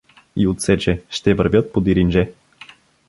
И отсече: ще вървят подир Индже!